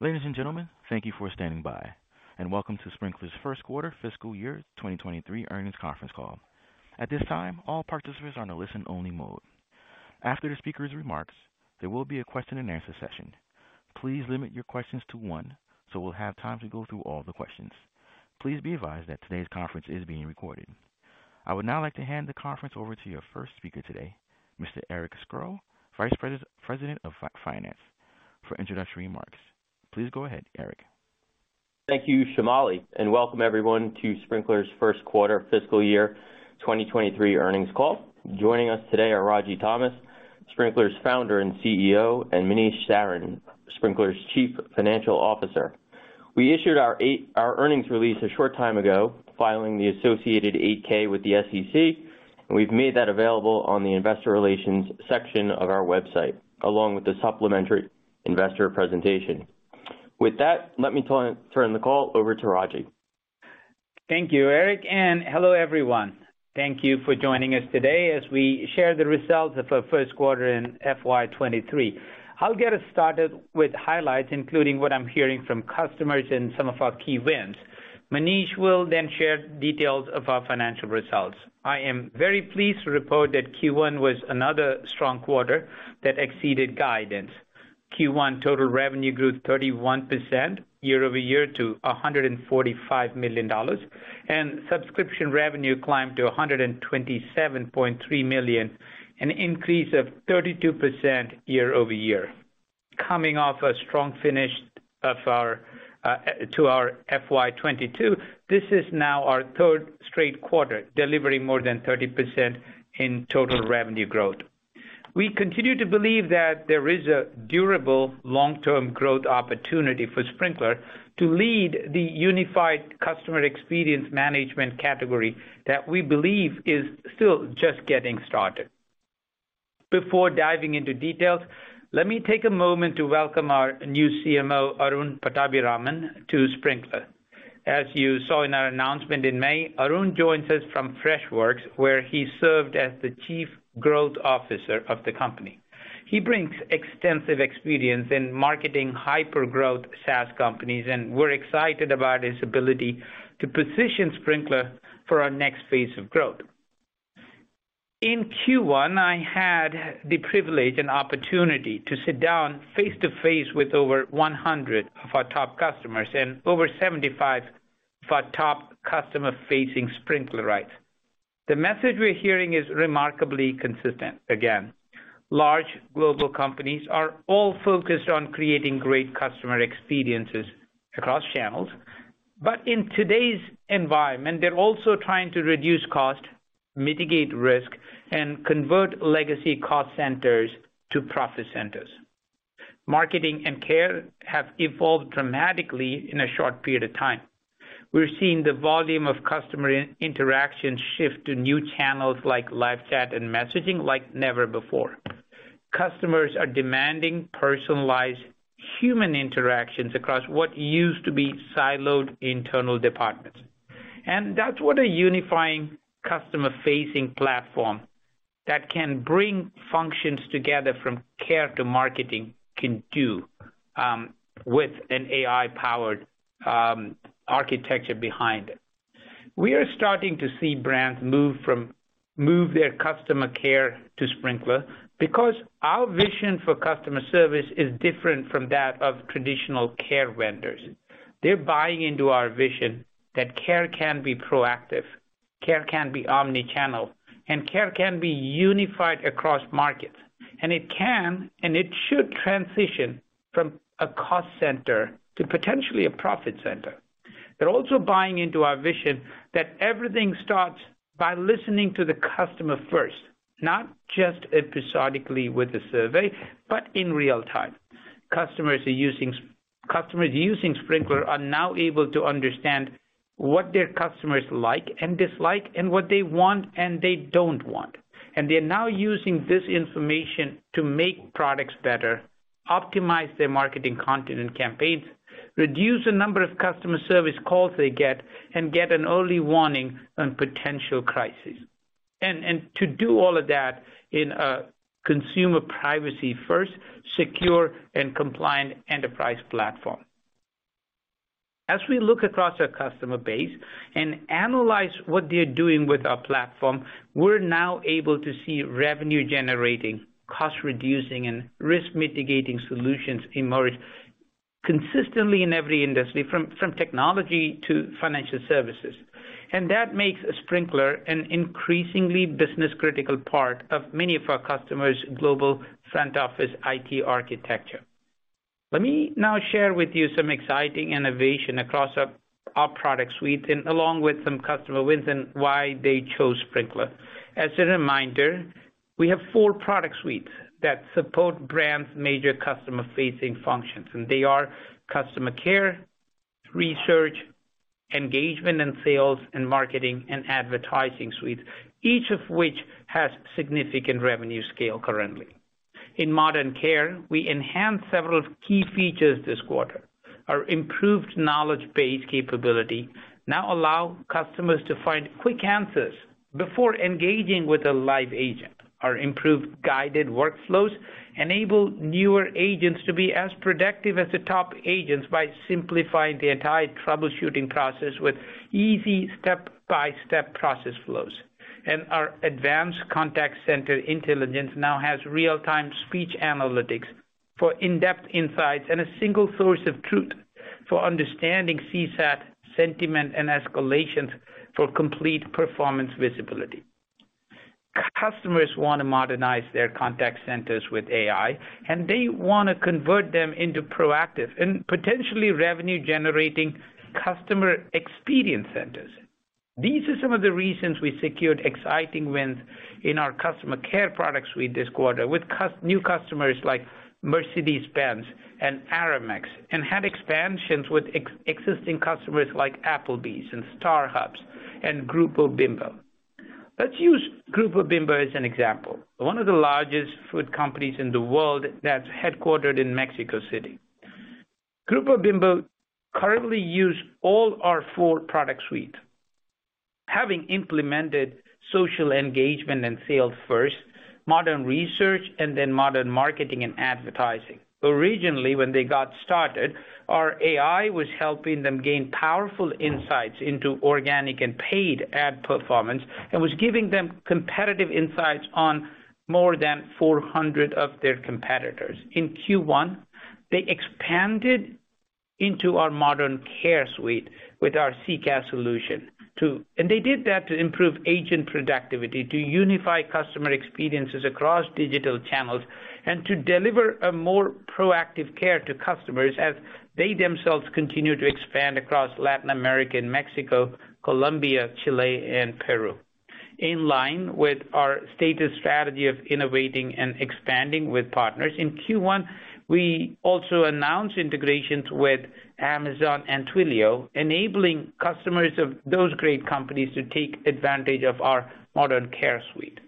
Ladies and gentlemen, thank you for standing by, and welcome to Sprinklr's first quarter fiscal year 2023 earnings conference call. At this time, all participants are in a listen only mode. After the speaker's remarks, there will be a question and answer session. Please limit your questions to one, so we'll have time to go through all the questions. Please be advised that today's conference is being recorded. I would now like to hand the conference over to your first speaker today, Mr. Eric Scro, Vice President of Finance, for introductory remarks. Please go ahead, Eric. Thank you, Shamali, and welcome everyone to Sprinklr's first quarter fiscal year 2023 earnings call. Joining us today are Ragy Thomas, Sprinklr's founder and CEO, and Manish Sarin, Sprinklr's Chief Financial Officer. We issued our earnings release a short time ago, filing the associated 8-K with the SEC, and we've made that available on the investor relations section of our website, along with the supplementary investor presentation. With that, let me turn the call over to Ragy. Thank you, Eric, and hello, everyone. Thank you for joining us today as we share the results of our first quarter in FY 2023. I'll get us started with highlights, including what I'm hearing from customers and some of our key wins. Manish will then share details of our financial results. I am very pleased to report that Q1 was another strong quarter that exceeded guidance. Q1 total revenue grew 31% year-over-year to $145 million, and subscription revenue climbed to $127.3 million, an increase of 32% year-over-year. Coming off a strong finish to our FY 2022, this is now our third straight quarter, delivering more than 30% in total revenue growth. We continue to believe that there is a durable long-term growth opportunity for Sprinklr to lead the unified customer experience management category that we believe is still just getting started. Before diving into details, let me take a moment to welcome our new CMO, Arun Pattabhiraman, to Sprinklr. As you saw in our announcement in May, Arun joins us from Freshworks, where he served as the Chief Growth Officer of the company. He brings extensive experience in marketing hyper-growth SaaS companies, and we're excited about his ability to position Sprinklr for our next phase of growth. In Q1, I had the privilege and opportunity to sit down face-to-face with over 100 of our top customers and over 75 of our top customer-facing Sprinklrites. The message we're hearing is remarkably consistent. Again, large global companies are all focused on creating great customer experiences across channels. In today's environment, they're also trying to reduce cost, mitigate risk, and convert legacy cost centers to profit centers. Marketing and care have evolved dramatically in a short period of time. We're seeing the volume of customer interactions shift to new channels like live chat and messaging like never before. Customers are demanding personalized human interactions across what used to be siloed internal departments. That's what a unifying customer-facing platform that can bring functions together from care to marketing can do, with an AI-powered architecture behind it. We are starting to see brands move their customer care to Sprinklr because our vision for customer service is different from that of traditional care vendors. They're buying into our vision that care can be proactive, care can be omnichannel, and care can be unified across markets. It can, and it should transition from a cost center to potentially a profit center. They're also buying into our vision that everything starts by listening to the customer first, not just episodically with a survey, but in real time. Customers using Sprinklr are now able to understand what their customers like and dislike and what they want and they don't want. They're now using this information to make products better, optimize their marketing content and campaigns, reduce the number of customer service calls they get, and get an early warning on potential crises. To do all of that in a consumer privacy first, secure, and cmpliant enterprise platform. As we look across our customer base and analyze what they're doing with our platform, we're now able to see revenue-generating, cost-reducing, and risk-mitigating solutions emerge consistently in every industry, from technology to financial services. That makes Sprinklr an increasingly business-critical part of many of our customers' global front office IT architecture. Let me now share with you some exciting innovation across our product suite and along with some customer wins and why they chose Sprinklr. As a reminder, we have four product suites that support brands' major customer-facing functions, and they are customer care, research, engagement and sales, and marketing and advertising suite, each of which has significant revenue scale currently. In Modern Care, we enhanced several key features this quarter. Our improved knowledge base capability now allow customers to find quick answers before engaging with a live agent. Our improved guided workflows enable newer agents to be as productive as the top agents by simplifying the entire troubleshooting process with easy step-by-step process flows. Our advanced contact center intelligence now has real-time speech analytics for in-depth insights and a single source of truth for understanding CSAT sentiment and escalations for complete performance visibility. Customers wanna modernize their contact centers with AI, and they wanna convert them into proactive and potentially revenue-generating customer experience centers. These are some of the reasons we secured exciting wins in our customer care products suite this quarter with new customers like Mercedes-Benz and Aramex, and had expansions with existing customers like Applebee's and StarHub and Grupo Bimbo. Let's use Grupo Bimbo as an example. One of the largest food companies in the world that's headquartered in Mexico City. Grupo Bimbo currently use all our four product suite. Having implemented social engagement and sales first, Modern Research, and then Modern Marketing and Advertising. Originally, when they got started, our AI was helping them gain powerful insights into organic and paid ad performance and was giving them competitive insights on more than 400 of their competitors. In Q1, they expanded into our Modern Care suite with our CCaaS solution to improve agent productivity, to unify customer experiences across digital channels, and to deliver a more proactive care to customers as they themselves continue to expand across Latin America and Mexico, Colombia, Chile, and Peru. In line with our stated strategy of innovating and expanding with partners, in Q1, we also announced integrations with Amazon and Twilio, enabling customers of those great companies to take advantage of our Modern Care suite.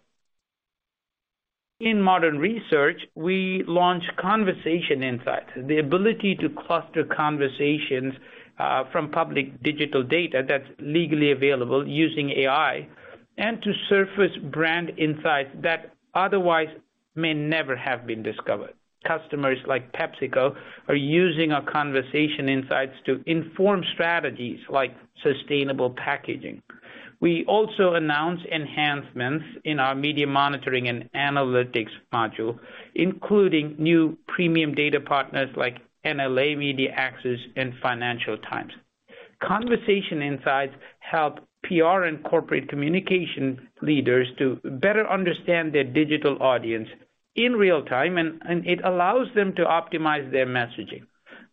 In Modern Research, we launched Conversation Insights, the ability to cluster conversations from public digital data that's legally available using AI, and to surface brand insights that otherwise may never have been discovered. Customers like PepsiCo are using our Conversation Insights to inform strategies like sustainable packaging. We also announced enhancements in our media monitoring and analytics module, including new premium data partners like NLA Media Access and Financial Times. Conversation Insights help PR and corporate communication leaders to better understand their digital audience in real-time, and it allows them to optimize their messaging.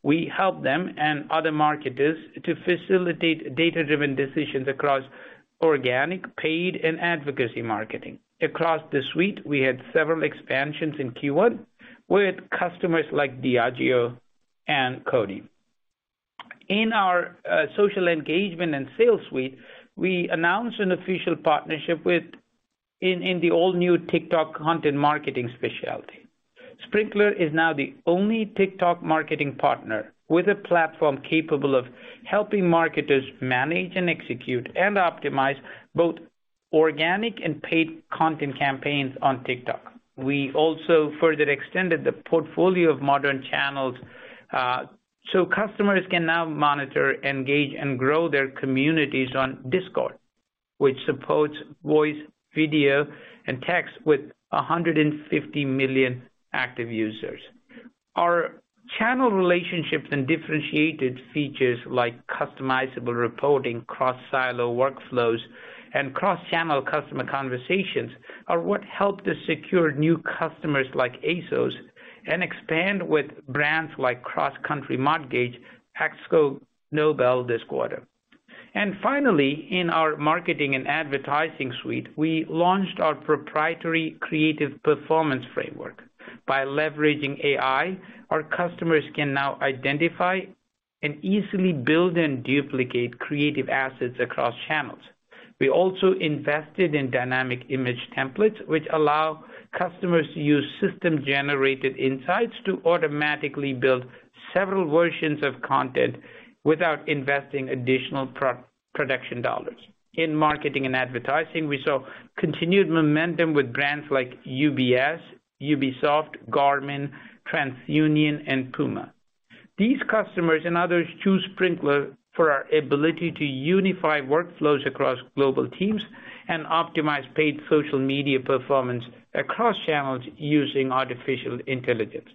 We help them and other marketers to facilitate data-driven decisions across organic, paid, and advocacy marketing. Across the suite, we had several expansions in Q1 with customers like Diageo and Coty. In our social engagement and sales suite, we announced an official partnership within the all-new TikTok content marketing specialty. Sprinklr is now the only TikTok marketing partner with a platform capable of helping marketers manage and execute and optimize both organic and paid content campaigns on TikTok. We also further extended the portfolio of modern channels, so customers can now monitor, engage, and grow their communities on Discord, which supports voice, video, and text with 150 million active users. Our channel relationships and differentiated features like customizable reporting, cross-silo workflows, and cross-channel customer conversations are what helped us secure new customers like ASOS and expand with brands like CrossCountry Mortgage, Paxos, Noble this quarter. Finally, in our marketing and advertising suite, we launched our proprietary creative performance framework. By leveraging AI, our customers can now identify and easily build and duplicate creative assets across channels. We also invested in dynamic image templates, which allow customers to use system-generated insights to automatically build several versions of content without investing additional pro-production dollars. In marketing and advertising, we saw continued momentum with brands like UBS, Ubisoft, Garmin, TransUnion, and Puma. These customers and others choose Sprinklr for our ability to unify workflows across global teams and optimize paid social media performance across channels using artificial intelligence.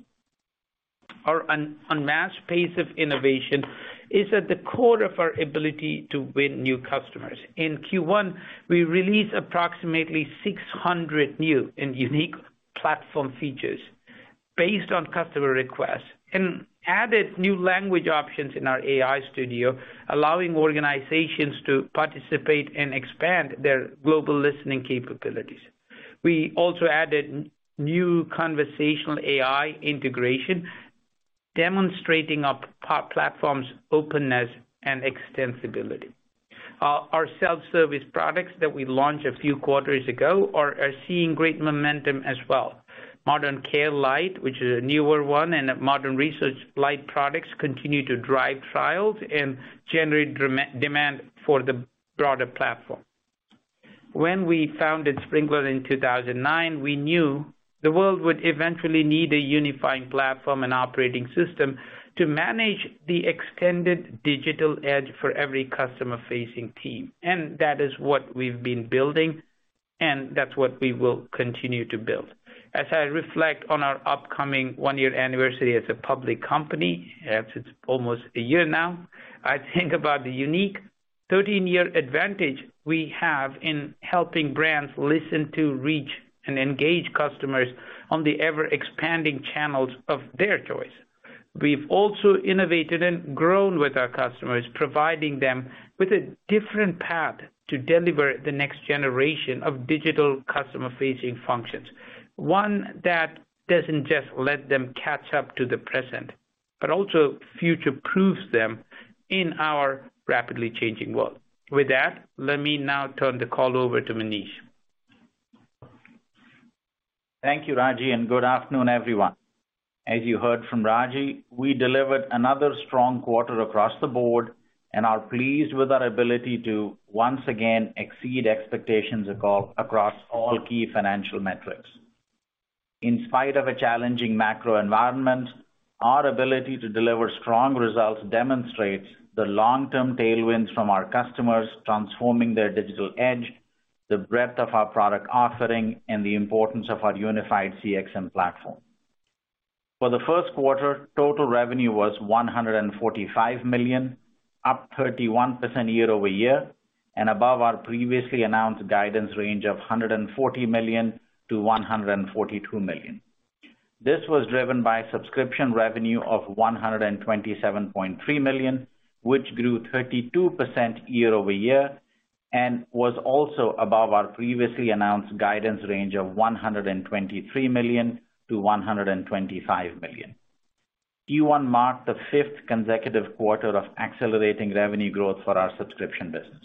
Our unmatched pace of innovation is at the core of our ability to win new customers. In Q1, we released approximately 600 new and unique platform features based on customer requests and added new language options in our AI Studio, allowing organizations to participate and expand their global listening capabilities. We also added new conversational AI integration, demonstrating our platform's openness and extensibility. Our self-service products that we launched a few quarters ago are seeing great momentum as well. Modern Care Lite, which is a newer one, and Modern Research Lite products continue to drive trials and generate demand for the broader platform. When we founded Sprinklr in 2009, we knew the world would eventually need a unifying platform and operating system to manage the extended digital edge for every customer-facing team, and that is what we've been building, and that's what we will continue to build. As I reflect on our upcoming one-year anniversary as a public company, as it's almost a year now, I think about the unique thirteen-year advantage we have in helping brands listen to, reach, and engage customers on the ever-expanding channels of their choice. We've also innovated and grown with our customers, providing them with a different path to deliver the next generation of digital customer-facing functions. One that doesn't just let them catch up to the present, but also future-proofs them in our rapidly changing world. With that, let me now turn the call over to Manish. Thank you, Ragy, and good afternoon, everyone. As you heard from Ragy, we delivered another strong quarter across the board and are pleased with our ability to once again exceed expectations across all key financial metrics. In spite of a challenging macro environment, our ability to deliver strong results demonstrates the long-term tailwinds from our customers transforming their digital age, the breadth of our product offering, and the importance of our unified CXM platform. For the first quarter, total revenue was $145 million, up 31% year-over-year, and above our previously announced guidance range of $140 million-$142 million. This was driven by subscription revenue of $127.3 million, which grew 32% year-over-year and was also above our previously announced guidance range of $123 million-$125 million. Q1 marked the fifth consecutive quarter of accelerating revenue growth for our subscription business.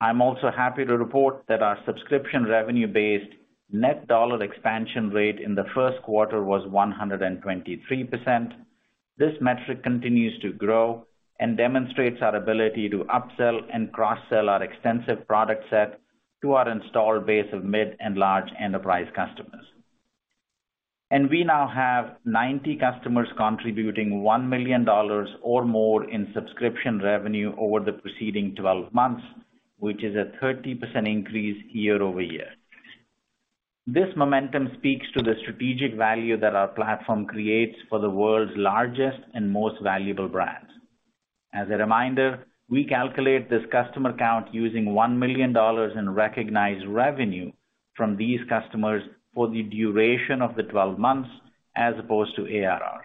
I'm also happy to report that our subscription revenue-based net dollar expansion rate in the first quarter was 123%. This metric continues to grow and demonstrates our ability to upsell and cross-sell our extensive product set to our installed base of mid and large enterprise customers. We now have 90 customers contributing $1 million or more in subscription revenue over the preceding twelve months, which is a 30% increase year-over-year. This momentum speaks to the strategic value that our platform creates for the world's largest and most valuable brands. As a reminder, we calculate this customer count using $1 million in recognized revenue from these customers for the duration of the 12 months as opposed to ARR.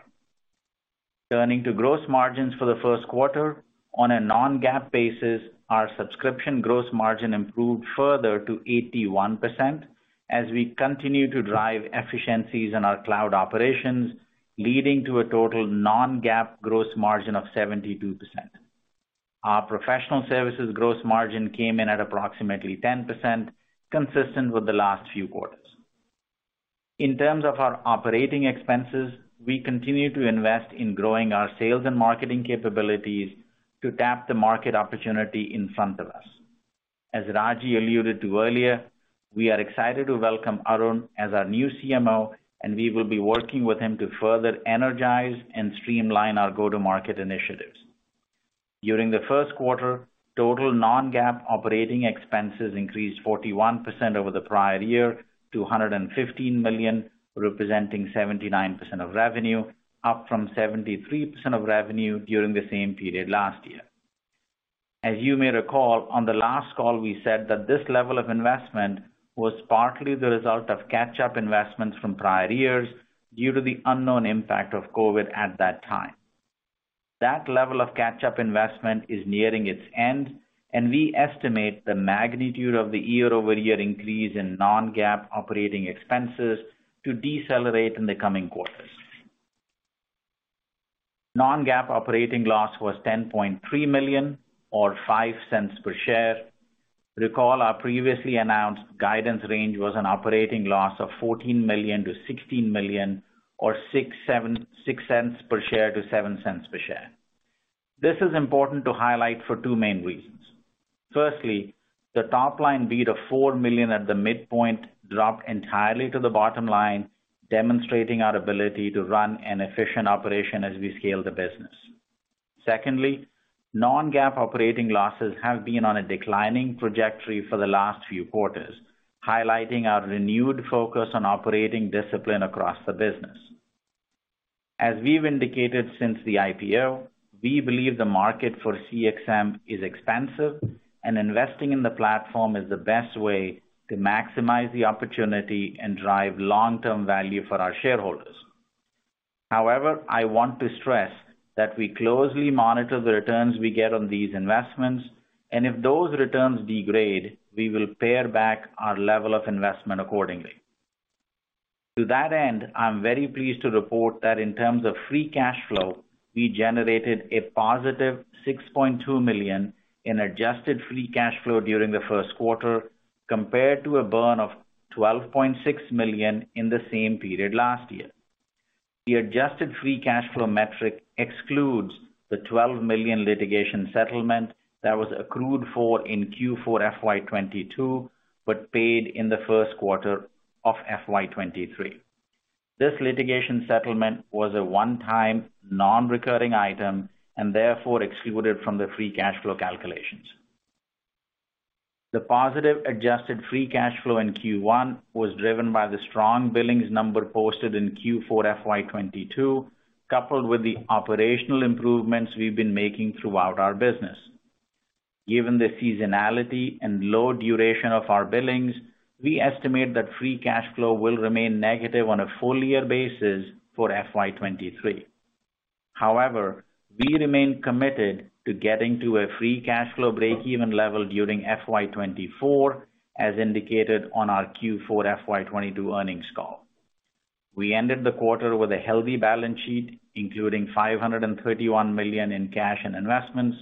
Turning to gross margins for the first quarter, on a non-GAAP basis, our subscription gross margin improved further to 81% as we continue to drive efficiencies in our cloud operations, leading to a total non-GAAP gross margin of 72%. Our professional services gross margin came in at approximately 10%, consistent with the last few quarters. In terms of our operating expenses, we continue to invest in growing our sales and marketing capabilities to tap the market opportunity in front of us. As Ragy alluded to earlier, we are excited to welcome Arun as our new CMO, and we will be working with him to further energize and streamline our go-to-market initiatives. During the first quarter, total non-GAAP operating expenses increased 41% over the prior year to $115 million, representing 79% of revenue, up from 73% of revenue during the same period last year. As you may recall, on the last call we said that this level of investment was partly the result of catch-up investments from prior years due to the unknown impact of COVID at that time. That level of catch-up investment is nearing its end, and we estimate the magnitude of the year-over-year increase in non-GAAP operating expenses to decelerate in the coming quarters. Non-GAAP operating loss was $10.3 million or $0.05 per share. Recall our previously announced guidance range was an operating loss of $14 million-$16 million or $0.06-$0.07 per share. This is important to highlight for two main reasons. Firstly, the top line beat of $4 million at the midpoint dropped entirely to the bottom line, demonstrating our ability to run an efficient operation as we scale the business. Secondly, non-GAAP operating losses have been on a declining trajectory for the last few quarters, highlighting our renewed focus on operating discipline across the business. As we've indicated since the IPO, we believe the market for CXM is expansive, and investing in the platform is the best way to maximize the opportunity and drive long-term value for our shareholders. However, I want to stress that we closely monitor the returns we get on these investments. If those returns degrade, we will pare back our level of investment accordingly. To that end, I'm very pleased to report that in terms of free cash flow, we generated a positive $6.2 million in adjusted free cash flow during the first quarter compared to a burn of $12.6 million in the same period last year. The adjusted free cash flow metric excludes the $12 million litigation settlement that was accrued for in Q4 FY 2022, but paid in the first quarter of FY 2023. This litigation settlement was a one-time non-recurring item and therefore excluded from the free cash flow calculations. The positive adjusted free cash flow in Q1 was driven by the strong billings number posted in Q4 FY 2022, coupled with the operational improvements we've been making throughout our business. Given the seasonality and low duration of our billings, we estimate that free cash flow will remain negative on a full year basis for FY 2023. However, we remain committed to getting to a free cash flow breakeven level during FY 2024, as indicated on our Q4 FY 2022 earnings call. We ended the quarter with a healthy balance sheet, including $531 million in cash and investments,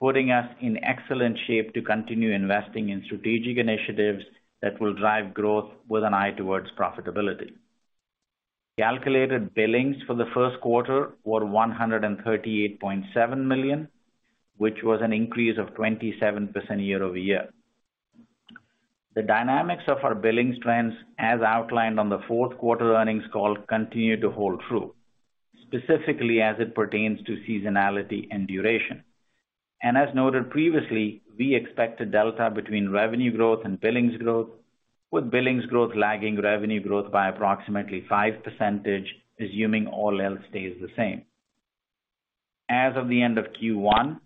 putting us in excellent shape to continue investing in strategic initiatives that will drive growth with an eye towards profitability. Calculated billings for the first quarter were $138.7 million, which was an increase of 27% year over year. The dynamics of our billings trends, as outlined on the fourth quarter earnings call, continue to hold true, specifically as it pertains to seasonality and duration. As noted previously, we expect a delta between revenue growth and billings growth, with billings growth lagging revenue growth by approximately 5%, assuming all else stays the same. As of the end of Q1,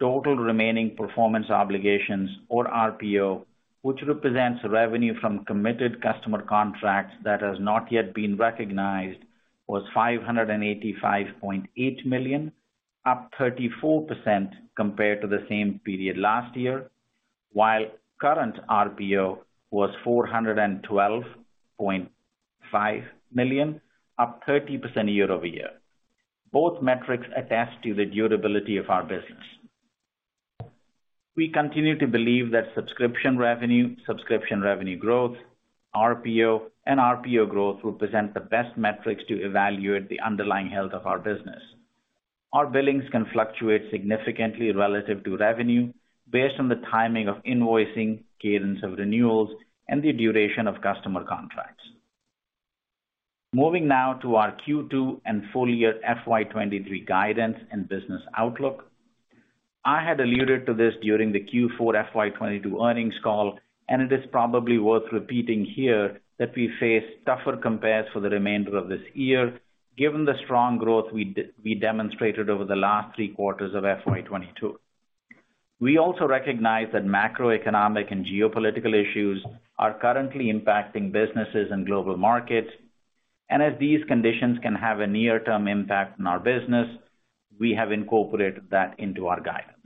total remaining performance obligations or RPO, which represents revenue from committed customer contracts that has not yet been recognized, was $585.8 million, up 34% compared to the same period last year, while current RPO was $412.5 million, up 30% year-over-year. Both metrics attest to the durability of our business. We continue to believe that subscription revenue, subscription revenue growth, RPO and RPO growth represent the best metrics to evaluate the underlying health of our business. Our billings can fluctuate significantly relative to revenue based on the timing of invoicing, cadence of renewals, and the duration of customer contracts. Moving now to our Q2 and full year FY 2023 guidance and business outlook. I had alluded to this during the Q4 FY 2022 earnings call, and it is probably worth repeating here that we face tougher compares for the remainder of this year, given the strong growth we demonstrated over the last three quarters of FY 2022. We also recognize that macroeconomic and geopolitical issues are currently impacting businesses and global markets. As these conditions can have a near-term impact on our business, we have incorporated that into our guidance.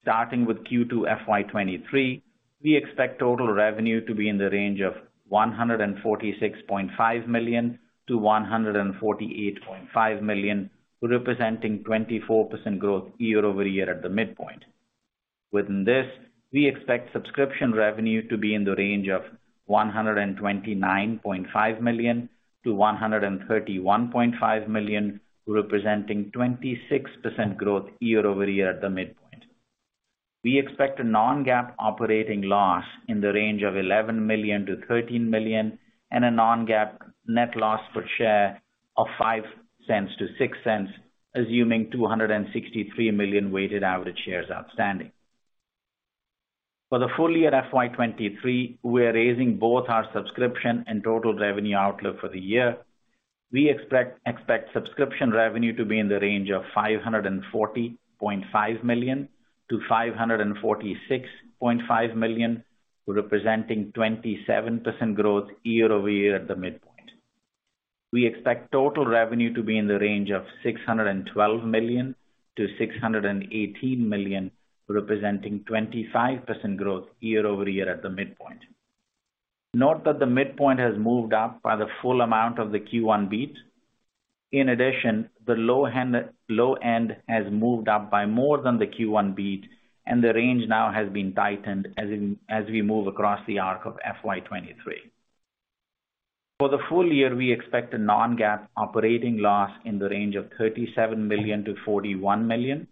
Starting with Q2 FY 2023, we expect total revenue to be in the range of $146.5 million-$148.5 million, representing 24% growth year-over-year at the midpoint. Within this, we expect subscription revenue to be in the range of $129.5 million-$131.5 million, representing 26% growth year-over-year at the midpoint. We expect a non-GAAP operating loss in the range of $11 million-$13 million and a non-GAAP net loss per share of $0.05-$0.06, assuming 263 million weighted average shares outstanding. For the full year FY 2023, we're raising both our subscription and total revenue outlook for the year. We expect subscription revenue to be in the range of $540.5 million-$546.5 million, representing 27% growth year-over-year at the midpoint. We expect total revenue to be in the range of $612 million-$618 million, representing 25% growth year-over-year at the midpoint. Note that the midpoint has moved up by the full amount of the Q1 beat. In addition, the low end has moved up by more than the Q1 beat, and the range now has been tightened as we move across the arc of FY 2023. For the full year, we expect a non-GAAP operating loss in the range of $37 million-$41 million,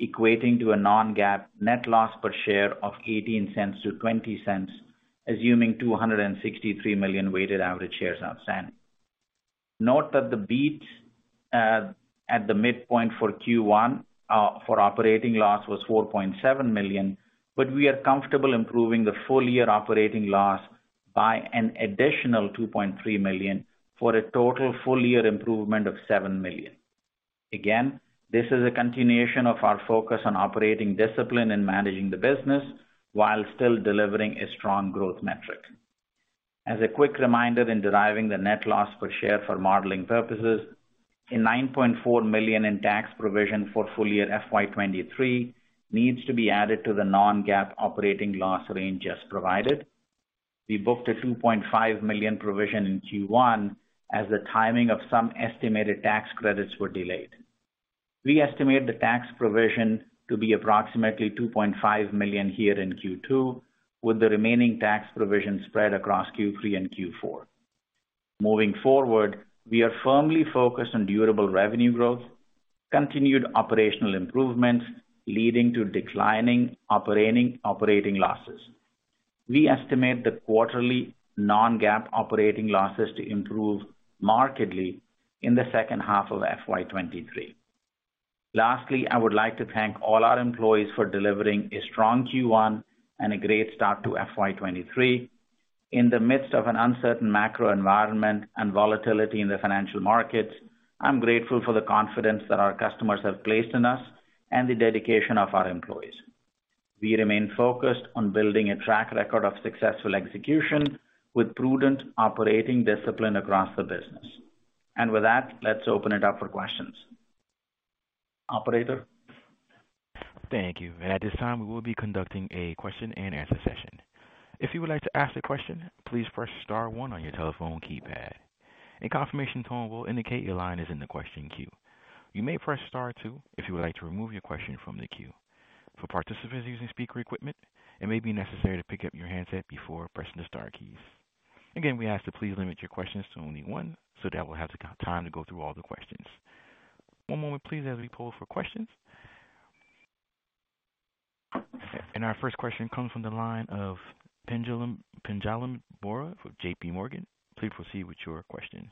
equating to a non-GAAP net loss per share of $0.18-$0.20, assuming 263 million weighted average shares outstanding. Note that the beat at the midpoint for Q1 for operating loss was $4.7 million, but we are comfortable improving the full year operating loss by an additional $2.3 million for a total full year improvement of $7 million. Again, this is a continuation of our focus on operating discipline and managing the business while still delivering a strong growth metric. As a quick reminder in deriving the net loss per share for modeling purposes, a $9.4 million in tax provision for full year FY 2023 needs to be added to the non-GAAP operating loss range just provided. We booked a $2.5 million provision in Q1 as the timing of some estimated tax credits were delayed. We estimate the tax provision to be approximately $2.5 million here in Q2, with the remaining tax provision spread across Q3 and Q4. Moving forward, we are firmly focused on durable revenue growth, continued operational improvements leading to declining operating losses. We estimate the quarterly non-GAAP operating losses to improve markedly in the second half of FY 2023. Lastly, I would like to thank all our employees for delivering a strong Q1 and a great start to FY 2023. In the midst of an uncertain macro environment and volatility in the financial markets, I'm grateful for the confidence that our customers have placed in us and the dedication of our employees. We remain focused on building a track record of successful execution with prudent operating discipline across the business. With that, let's open it up for questions. Operator? Thank you. At this time, we will be conducting a question-and-answer session. If you would like to ask a question, please press star one on your telephone keypad. A confirmation tone will indicate your line is in the question queue. You may press star two if you would like to remove your question from the queue. For participants using speaker equipment, it may be necessary to pick up your handset before pressing the star keys. Again, we ask to please limit your questions to only one so that we'll have the time to go through all the questions. One moment please, as we poll for questions. Our first question comes from the line of Pinjalim Bora from JPMorgan. Please proceed with your question.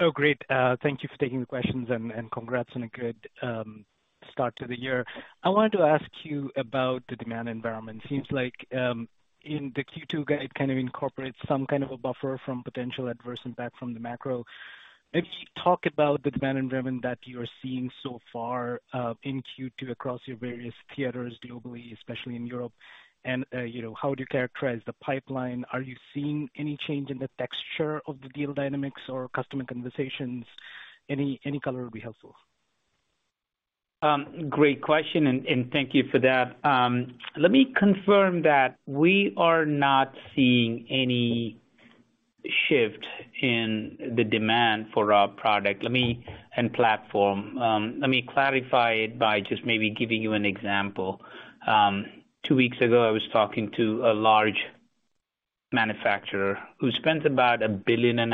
Oh, great. Thank you for taking the questions and congrats on a good start to the year. I wanted to ask you about the demand environment. Seems like in the Q2 guide, kind of incorporates some kind of a buffer from potential adverse impact from the macro. Maybe talk about the demand environment that you are seeing so far in Q2 across your various theaters globally, especially in Europe. You know, how do you characterize the pipeline? Are you seeing any change in the texture of the deal dynamics or customer conversations? Any color would be helpful. Great question, and thank you for that. Let me confirm that we are not seeing any shift in the demand for our product and platform. Let me clarify it by just maybe giving you an example. Two weeks ago, I was talking to a large manufacturer who spends about $1.5 billion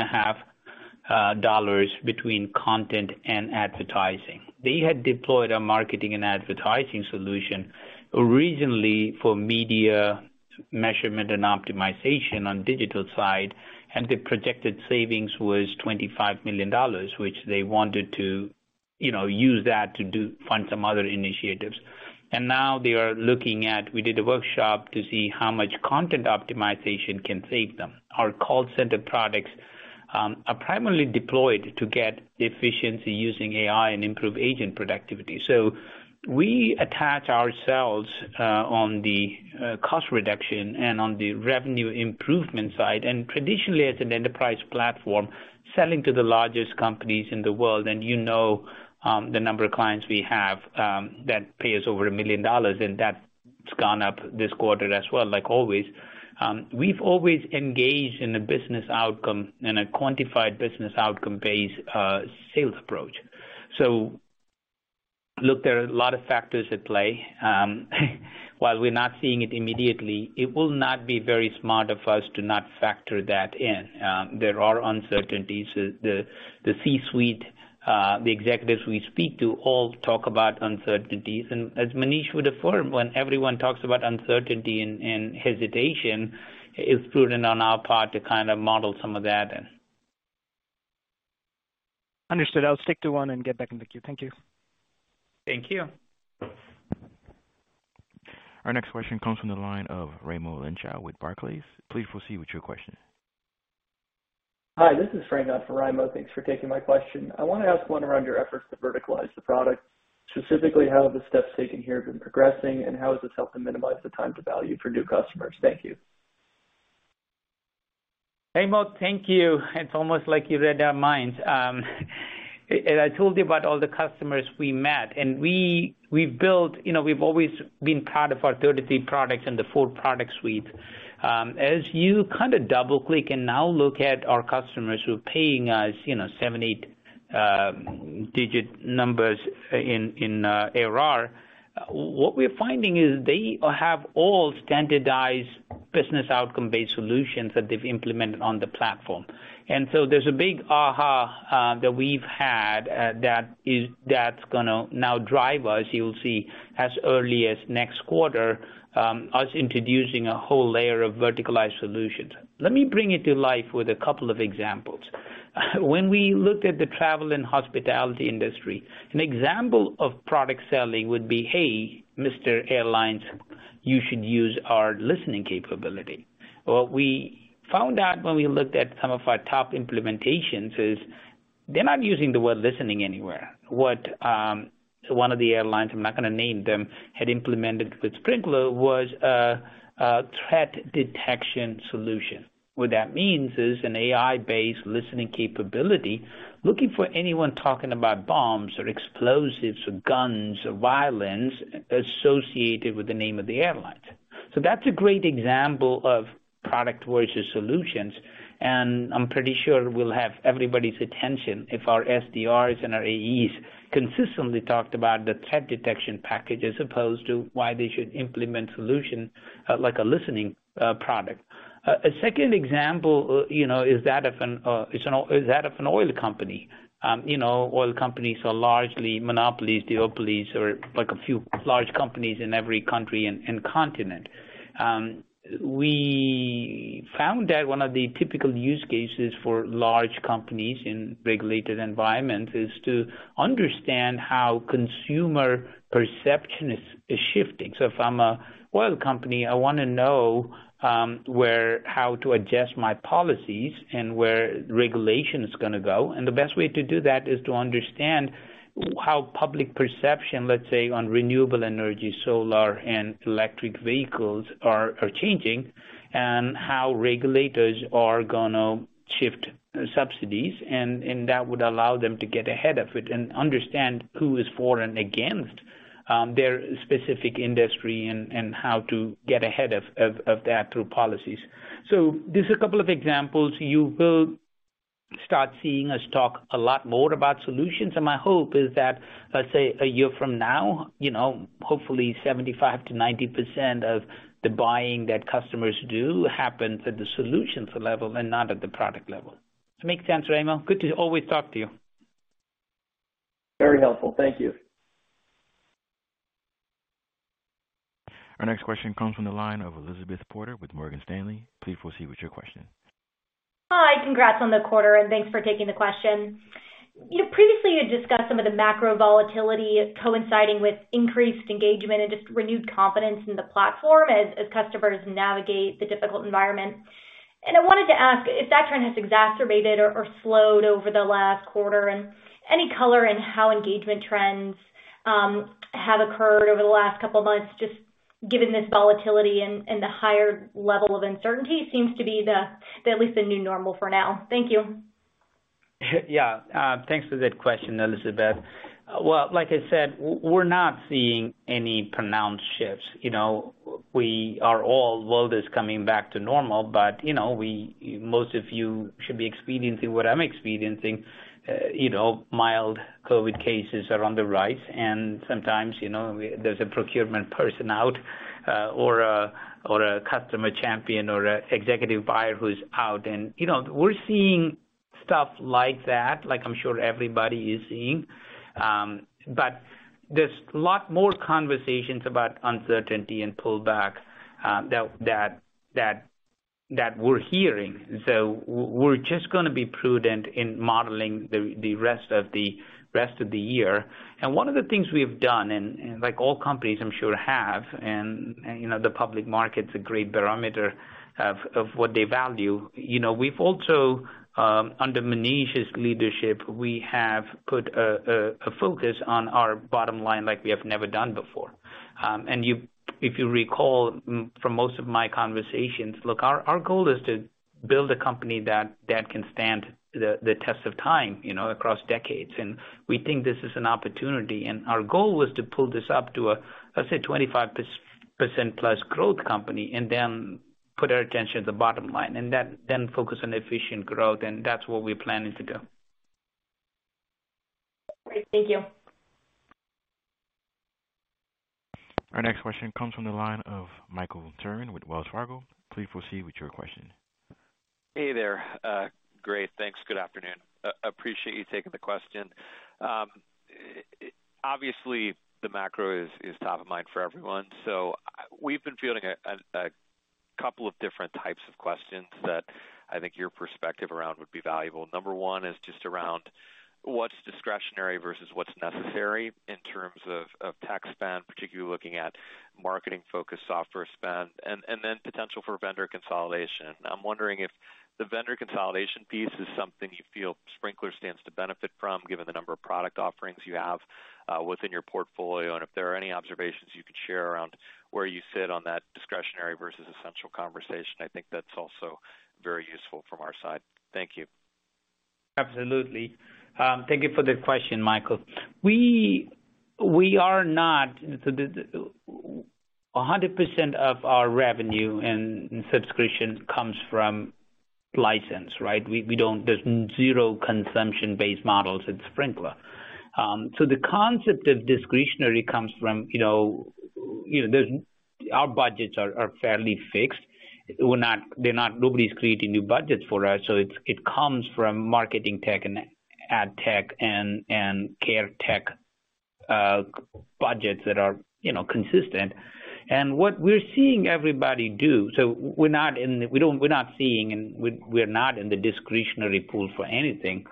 dollars between content and advertising. They had deployed a marketing and advertising solution originally for media measurement and optimization on digital side, and the projected savings was $25 million, which they wanted to, you know, use that to find some other initiatives. Now they are looking at. We did a workshop to see how much content optimization can save them. Our call center products are primarily deployed to get efficiency using AI and improve agent productivity. We attach ourselves on the cost reduction and on the revenue improvement side. Traditionally as an enterprise platform, selling to the largest companies in the world, and you know, the number of clients we have that pay us over $1 million, and that's gone up this quarter as well, like always. We've always engaged in a business outcome and a quantified business outcome-based sales approach. Look, there are a lot of factors at play, while we're not seeing it immediately, it will not be very smart of us to not factor that in. There are uncertainties. The C-suite, the executives we speak to all talk about uncertainties. As Manish would affirm, when everyone talks about uncertainty and hesitation, it's prudent on our part to kind of model some of that in. Understood. I'll stick to one and get back in the queue. Thank you. Thank you. Our next question comes from the line of Raimo Lenschow with Barclays. Please proceed with your question. Hi, this is Raimo. Thanks for taking my question. I wanna ask one around your efforts to verticalize the product, specifically how the steps taken here have been progressing and how has this helped to minimize the time to value for new customers. Thank you. Raimo, thank you. It's almost like you read our minds. I told you about all the customers we met. You know, we've always been proud of our third party products and the full product suite. As you kind of double-click and now look at our customers who are paying us, you know, 7, 8-digit numbers in ARR, what we're finding is they have all standardized business outcome-based solutions that they've implemented on the platform. There's a big aha that we've had that's gonna now drive us. You'll see, as early as next quarter, us introducing a whole layer of verticalized solutions. Let me bring it to life with a couple of examples. When we looked at the travel and hospitality industry, an example of product selling would be, "Hey, Mr. Airlines, you should use our listening capability." What we found out when we looked at some of our top implementations is, they're not using the word listening anywhere. What, so one of the airlines, I'm not gonna name them, had implemented with Sprinklr was a threat detection solution. What that means is an AI-based listening capability, looking for anyone talking about bombs or explosives or guns or violence associated with the name of the airline. That's a great example of product versus solutions. I'm pretty sure we'll have everybody's attention if our SDRs and our AEs consistently talked about the threat detection package as opposed to why they should implement solution like a listening product. A second example is that of an oil company. You know, oil companies are largely monopolies, duopolies or, like, a few large companies in every country and continent. We found that one of the typical use cases for large companies in regulated environments is to understand how consumer perception is shifting. If I'm an oil company, I wanna know where how to adjust my policies and where regulation is gonna go. The best way to do that is to understand how public perception, let's say, on renewable energy, solar and electric vehicles are changing, and how regulators are gonna shift subsidies, and that would allow them to get ahead of it and understand who is for and against their specific industry and how to get ahead of that through policies. There's a couple of examples. You will start seeing us talk a lot more about solutions, and my hope is that, let's say, a year from now, you know, hopefully 75%-90% of the buying that customers do happens at the solutions level and not at the product level. Make sense, Raimo Lenschow? Good to always talk to you. Very helpful. Thank you. Our next question comes from the line of Elizabeth Porter with Morgan Stanley. Please proceed with your question. Hi. Congrats on the quarter, and thanks for taking the question. You know, previously you discussed some of the macro volatility coinciding with increased engagement and just renewed confidence in the platform as customers navigate the difficult environment. I wanted to ask if that trend has exacerbated or slowed over the last quarter. Any color in how engagement trends have occurred over the last couple of months, just given this volatility and the higher level of uncertainty seems to be at least the new normal for now. Thank you. Yeah. Thanks for that question, Elizabeth. Well, like I said, we're not seeing any pronounced shifts. You know, the world is coming back to normal, but, you know, most of you should be experiencing what I'm experiencing, you know, mild COVID cases are on the rise. Sometimes, you know, there's a procurement person out, or a customer champion or an executive buyer who's out. You know, we're seeing stuff like that, like I'm sure everybody is seeing. There's a lot more conversations about uncertainty and pullback that we're hearing. We're just gonna be prudent in modeling the rest of the year. One of the things we've done, like all companies I'm sure have, you know, the public market's a great barometer of what they value. You know, we've also, under Manish's leadership, we have put a focus on our bottom line like we have never done before. If you recall from most of my conversations, look, our goal is to build a company that can stand the test of time, you know, across decades. We think this is an opportunity. Our goal was to pull this up to a, let's say, 25%+ growth company and then put our attention at the bottom line and then focus on efficient growth, and that's what we're planning to do. Great. Thank you. Our next question comes from the line of Michael Turrin with Wells Fargo. Please proceed with your question. Hey there. Great. Thanks. Good afternoon. Appreciate you taking the question. Obviously, the macro is top of mind for everyone. We've been fielding a couple of different types of questions that I think your perspective around would be valuable. Number one is just around what's discretionary versus what's necessary in terms of tech spend, particularly looking at marketing-focused software spend and then potential for vendor consolidation. I'm wondering if the vendor consolidation piece is something you feel Sprinklr stands to benefit from given the number of product offerings you have within your portfolio, and if there are any observations you could share around where you sit on that discretionary versus essential conversation. I think that's also very useful from our side. Thank you. Absolutely. Thank you for the question, Michael. We are not. 100% of our revenue and subscription comes from license, right? We don't. There's zero consumption-based models at Sprinklr. The concept of discretionary comes from, you know, there's. Our budgets are fairly fixed. They're not. Nobody's creating new budgets for us, so it comes from marketing tech and ad tech and care tech budgets that are, you know, consistent. What we're seeing everybody do, so we're not in the. We don't. We're not seeing, and we're not in the discretionary pool for anything.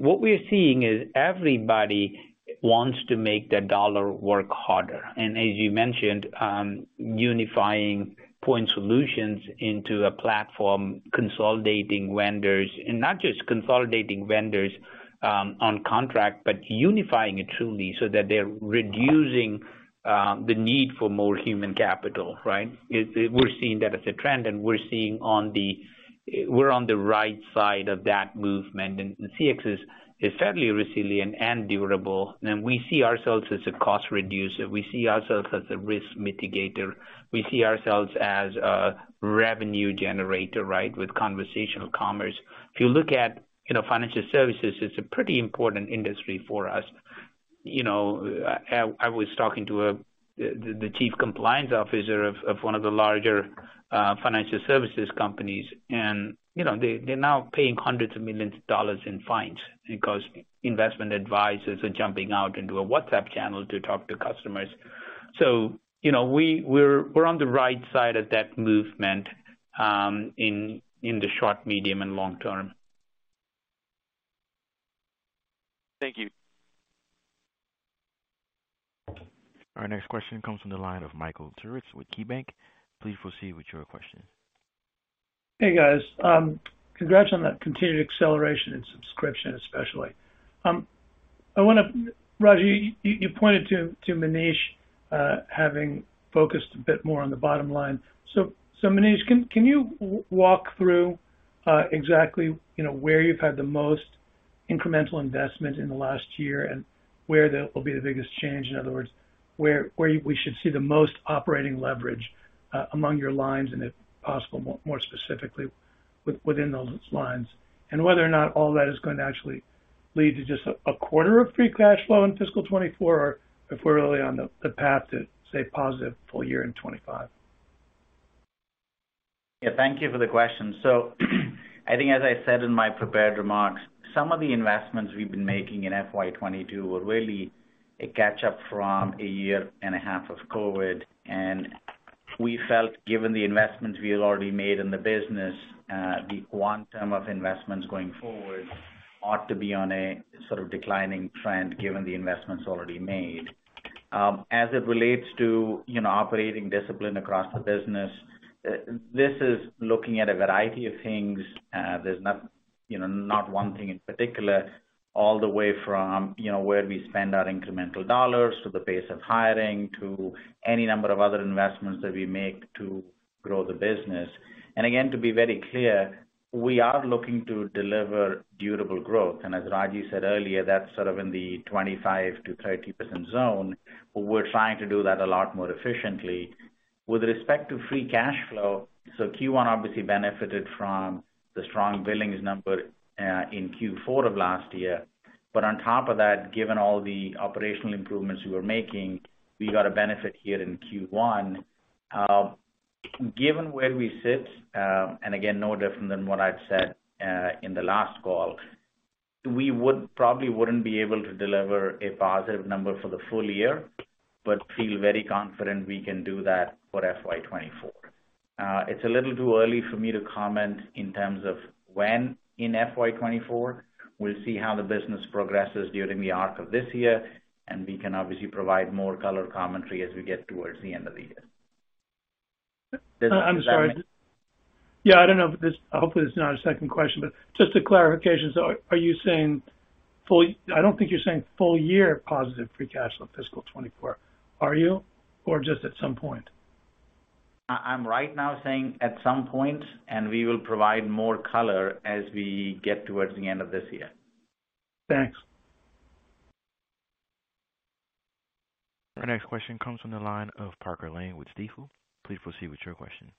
What we're seeing is everybody wants to make their dollar work harder. As you mentioned, unifying point solutions into a platform, consolidating vendors. Not just consolidating vendors on contract, but unifying it truly so that they're reducing the need for more human capital, right? We're seeing that as a trend, and we're on the right side of that movement. CX is fairly resilient and durable, and we see ourselves as a cost reducer. We see ourselves as a risk mitigator. We see ourselves as a revenue generator, right, with conversational commerce. If you look at, you know, financial services, it's a pretty important industry for us. You know, I was talking to the chief compliance officer of one of the larger financial services companies, and you know, they're now paying $hundreds of millions in fines because investment advisors are jumping out into a WhatsApp channel to talk to customers. you know, we're on the right side of that movement, in the short, medium and long term. Thank you. Our next question comes from the line of Michael Turits with KeyBank. Please proceed with your question. Hey, guys. Congrats on that continued acceleration in subscription, especially. I wanna Ragy, you pointed to Manish having focused a bit more on the bottom line. Manish, can you walk through exactly, you know, where you've had the most incremental investment in the last year and where will be the biggest change? In other words, where we should see the most operating leverage among your lines, and if possible, more specifically within those lines. Whether or not all that is gonna actually lead to just a quarter of free cash flow in fiscal 2024, or if we're really on the path to, say, positive full year in 2025. Yeah, thank you for the question. I think as I said in my prepared remarks, some of the investments we've been making in FY 2022 were really a catch up from a year and a half of COVID. We felt, given the investments we had already made in the business, the quantum of investments going forward ought to be on a sort of declining trend given the investments already made. As it relates to, you know, operating discipline across the business, this is looking at a variety of things. There's not, you know, one thing in particular, all the way from, you know, where we spend our incremental dollars, to the pace of hiring, to any number of other investments that we make to grow the business. Again, to be very clear, we are looking to deliver durable growth. As Ragy said earlier, that's sort of in the 25%-30% zone. We're trying to do that a lot more efficiently. With respect to free cash flow, Q1 obviously benefited from the strong billings number in Q4 of last year. On top of that, given all the operational improvements we were making, we got a benefit here in Q1. Given where we sit, and again, no different than what I've said in the last call, we probably wouldn't be able to deliver a positive number for the full year, but feel very confident we can do that for FY 2024. It's a little too early for me to comment in terms of when in FY 2024. We'll see how the business progresses during the arc of this year, and we can obviously provide more color commentary as we get towards the end of the year. I'm sorry. Yeah, I don't know if this. Hopefully, this is not a second question, but just a clarification. I don't think you're saying full year positive free cash flow fiscal 2024. Are you? Or just at some point? I'm right now saying at some point, and we will provide more color as we get towards the end of this year. Thanks. Our next question comes from the line of Parker Lane with Stifel. Please proceed with your question.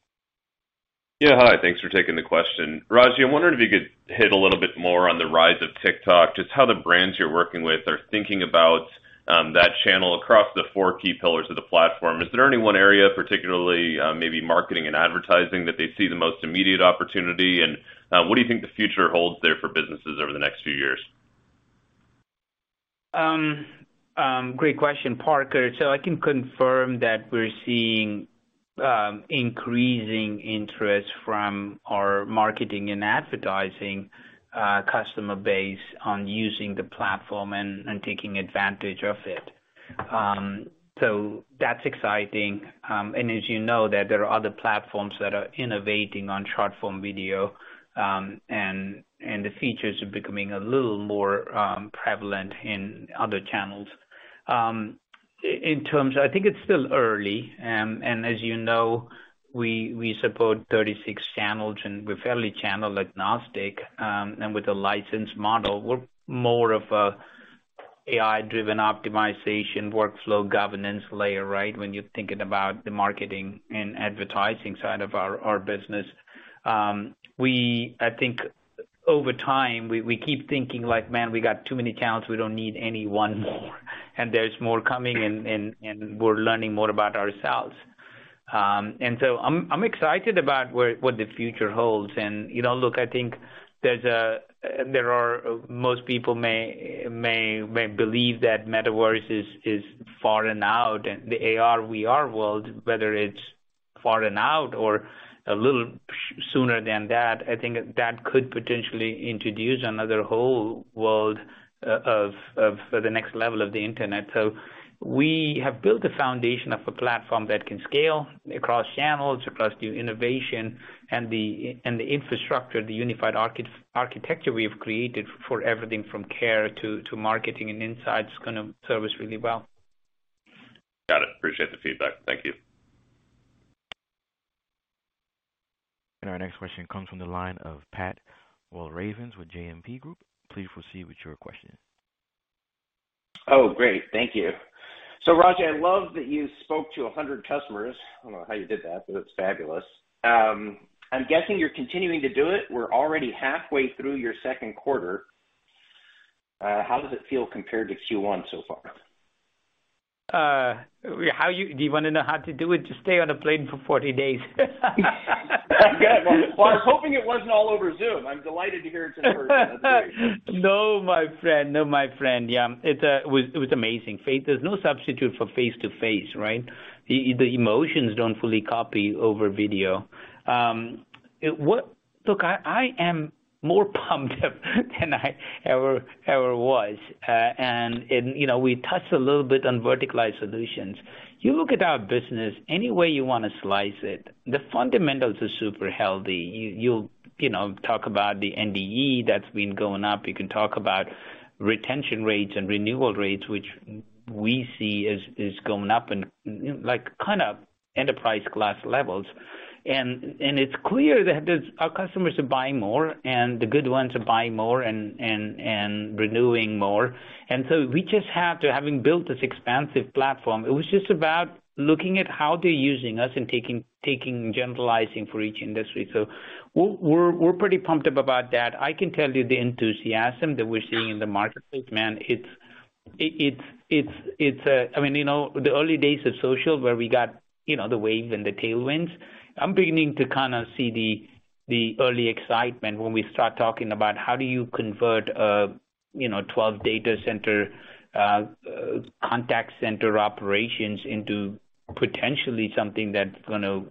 Yeah, hi. Thanks for taking the question. Ragy, I'm wondering if you could hit a little bit more on the rise of TikTok, just how the brands you're working with are thinking about that channel across the four key pillars of the platform. Is there any one area particularly, maybe marketing and advertising, that they see the most immediate opportunity? What do you think the future holds there for businesses over the next few years? Great question, Parker. I can confirm that we're seeing increasing interest from our marketing and advertising customer base on using the platform and taking advantage of it. That's exciting. As you know that there are other platforms that are innovating on short-form video, and the features are becoming a little more prevalent in other channels. In terms... I think it's still early. As you know, we support 36 channels, and we're fairly channel agnostic. With a license model, we're more of a AI-driven optimization workflow governance layer, right? When you're thinking about the marketing and advertising side of our business. I think over time, we keep thinking like, "Man, we got too many accounts. We don't need any one more." There's more coming and we're learning more about ourselves. I'm excited about what the future holds. You know, look, I think there are most people may believe that metaverse is far and out, and the AR/VR world, whether it's far and out or a little sooner than that, I think that could potentially introduce another whole world of the next level of the Internet. We have built a foundation of a platform that can scale across channels, across new innovation and the infrastructure, the unified architecture we have created for everything from care to marketing and insights is gonna serve us really well. Got it. Appreciate the feedback. Thank you. Our next question comes from the line of Patrick Walravens with Citizens JMP. Please proceed with your question. Oh, great. Thank you. Ragy, I love that you spoke to 100 customers. I don't know how you did that, but it's fabulous. I'm guessing you're continuing to do it. We're already halfway through your second quarter. How does it feel compared to Q1 so far? Do you wanna know how to do it? Just stay on a plane for 40 days. Well, I was hoping it wasn't all over Zoom. I'm delighted to hear it's in person. That's great. No, my friend. Yeah, it was amazing. There's no substitute for face-to-face, right? The emotions don't fully carry over video. Look, I am more pumped up than I ever was. You know, we touched a little bit on verticalized solutions. You look at our business any way you wanna slice it, the fundamentals are super healthy. You'll, you know, talk about the NDE that's been going up. You can talk about retention rates and renewal rates, which we see is going up and like kinda enterprise class levels. It's clear that our customers are buying more, and the good ones are buying more and renewing more. We just have to, having built this expansive platform, it was just about looking at how they're using us and taking generalizing for each industry. We're pretty pumped up about that. I can tell you the enthusiasm that we're seeing in the marketplace, man, it's, I mean, you know, the early days of social where we got, you know, the wave and the tailwinds, I'm beginning to kinda see the early excitement when we start talking about how do you convert, you know, 12 data center contact center operations into potentially something that's gonna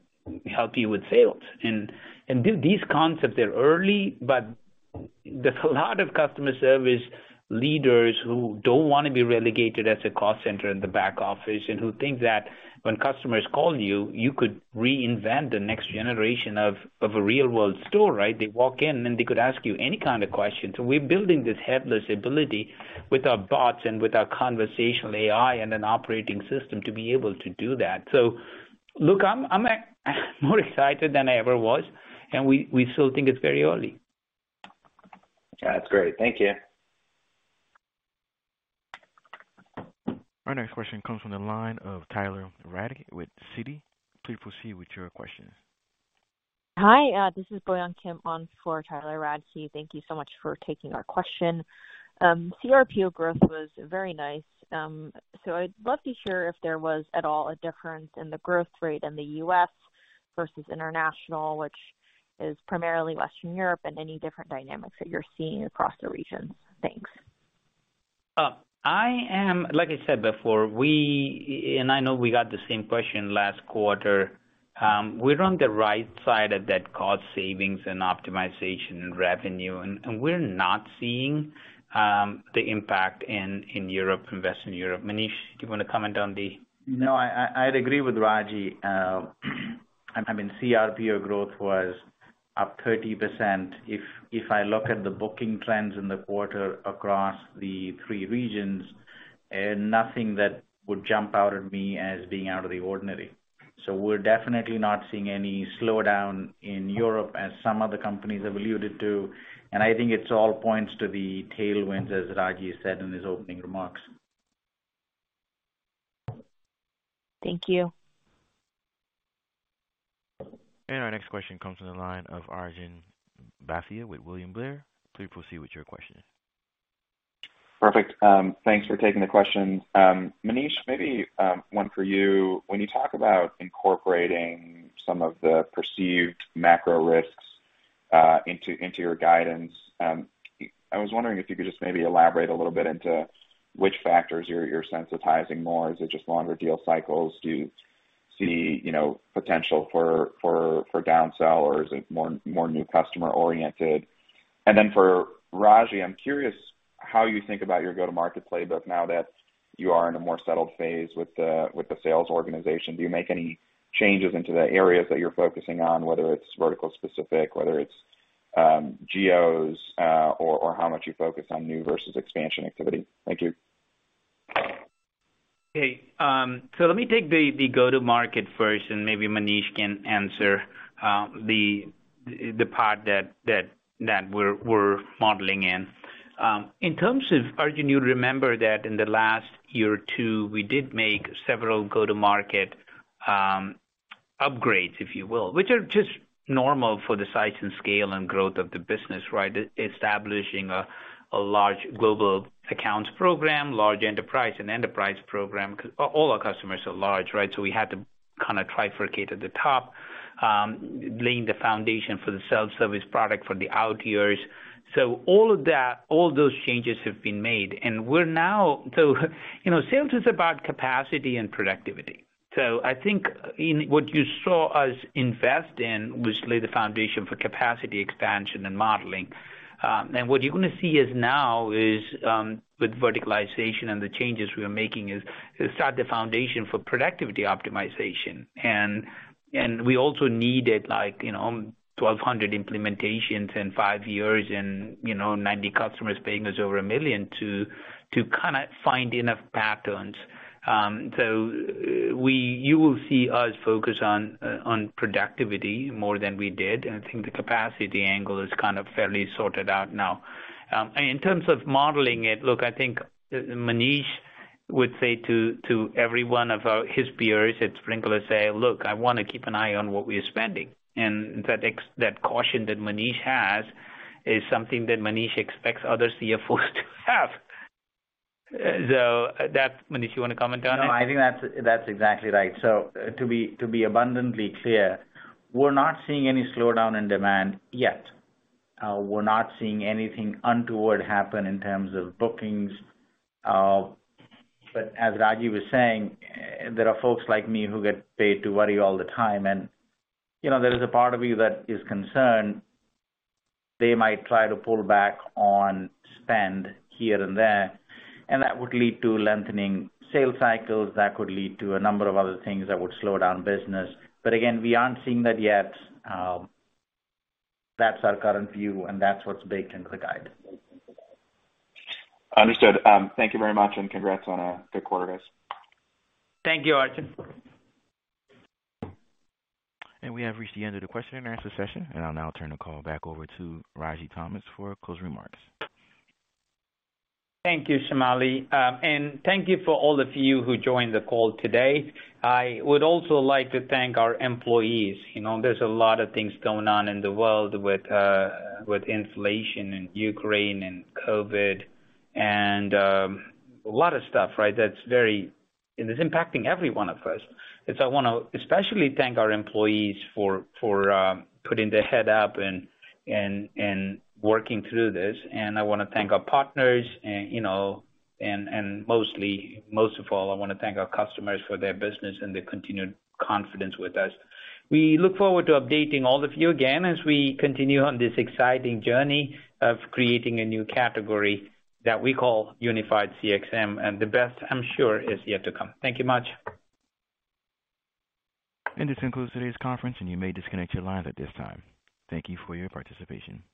help you with sales. These concepts are early, but there's a lot of customer service leaders who don't wanna be relegated as a call center in the back office and who think that when customers call you could reinvent the next generation of a real-world store, right? They walk in, and they could ask you any kind of question. We're building this headless ability with our bots and with our conversational AI and an operating system to be able to do that. Look, I'm more excited than I ever was, and we still think it's very early. That's great. Thank you. Our next question comes from the line of Tyler Radke with Citi. Please proceed with your question. Hi, this is Boyon Kim on for Tyler Radke. Thank you so much for taking our question. CRPO growth was very nice. I'd love to be sure if there was at all a difference in the growth rate in the U.S. versus international, which is primarily Western Europe, and any different dynamics that you're seeing across the region. Thanks. Like I said before, and I know we got the same question last quarter, we're on the right side of that cost savings and optimization revenue, and we're not seeing the impact in Europe, Western Europe. Manish, do you wanna comment on the No, I'd agree with Raji. I mean, CRPO growth was up 30%. If I look at the booking trends in the quarter across the three regions, nothing that would jump out at me as being out of the ordinary. We're definitely not seeing any slowdown in Europe as some other companies have alluded to. I think it all points to the tailwinds, as Raji said in his opening remarks. Thank you. Our next question comes from the line of Arjun Bhatia with William Blair. Please proceed with your question. Perfect. Thanks for taking the question. Manish, maybe one for you. When you talk about incorporating some of the perceived macro risks into your guidance, I was wondering if you could just maybe elaborate a little bit into which factors you're sensitizing more. Is it just longer deal cycles? Do you see, you know, potential for downsell, or is it more new customer oriented? For Ragy, I'm curious how you think about your go-to-market playbook now that you are in a more settled phase with the sales organization. Do you make any changes into the areas that you're focusing on, whether it's vertical-specific, whether it's geos, or how much you focus on new versus expansion activity? Thank you. Let me take the go-to-market first, and maybe Manish Sarin can answer the part that we're modeling in. In terms of Arjun Bhatia, you'd remember that in the last year or two, we did make several go-to-market upgrades, if you will, which are just normal for the size and scale and growth of the business, right? Establishing a large global accounts program, large enterprise program. 'Cause all our customers are large, right? We had to kinda trifurcate at the top. Laying the foundation for the self-service product for the out years. All of that, all those changes have been made, and we're now. You know, sales is about capacity and productivity. I think in what you saw us invest in, which lay the foundation for capacity expansion and modeling. What you're gonna see is with verticalization and the changes we are making to start the foundation for productivity optimization. We also needed like, you know, 1,200 implementations in five years and, you know, 90 customers paying us over $1 million to kinda find enough patterns. You will see us focus on productivity more than we did. I think the capacity angle is kind of fairly sorted out now. In terms of modeling it, look, I think Manish would say to every one of his peers at Sprinklr, "Look, I wanna keep an eye on what we are spending." That caution that Manish has is something that Manish expects other CFOs to have. That's Manish, you wanna comment on it? No, I think that's exactly right. To be abundantly clear, we're not seeing any slowdown in demand yet. We're not seeing anything untoward happen in terms of bookings. As Ragy was saying, there are folks like me who get paid to worry all the time. You know, there is a part of you that is concerned they might try to pull back on spend here and there, and that would lead to lengthening sales cycles, that could lead to a number of other things that would slow down business. Again, we aren't seeing that yet. That's our current view, and that's what's baked into the guide. Understood. Thank you very much, and congrats on a good quarter, guys. Thank you, Arjun. We have reached the end of the question and answer session, and I'll now turn the call back over to Ragy Thomas for closing remarks. Thank you, Shamali. Thank you for all of you who joined the call today. I would also like to thank our employees. You know, there's a lot of things going on in the world with inflation and Ukraine and COVID and a lot of stuff, right? That is impacting every one of us. I wanna especially thank our employees for putting their head up and working through this. I wanna thank our partners and, you know, mostly, most of all, I wanna thank our customers for their business and their continued confidence with us. We look forward to updating all of you again as we continue on this exciting journey of creating a new category that we call unified CXM, and the best, I'm sure, is yet to come. Thank you much. This concludes today's conference, and you may disconnect your lines at this time. Thank you for your participation.